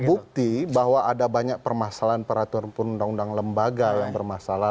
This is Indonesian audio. bukti bahwa ada banyak permasalahan peraturan perundang undang lembaga yang bermasalah